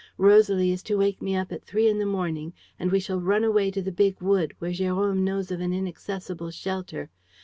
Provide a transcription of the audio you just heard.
Rosalie is to wake me up at three in the morning and we shall run away to the big wood, where Jérôme knows of an inaccessible shelter.